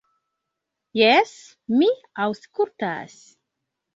"Jes, mi aŭskultas."